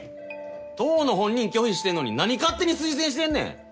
当の本人拒否してんのになに勝手に推薦してんねん！？